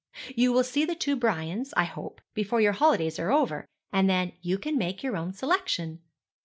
You will see the two Brians, I hope, before your holidays are over; and then you can make your own selection.